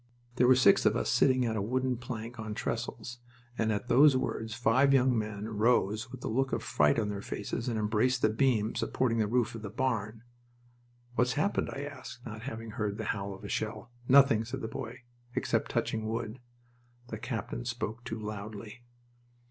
There were six of us sitting at a wooden plank on trestles, and at those words five young men rose with a look of fright on their faces and embraced the beam supporting the roof of the barn. "What's happened?" I asked, not having heard the howl of a shell. "Nothing," said the boy, "except touching wood. The captain spoke too loudly."